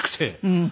うん。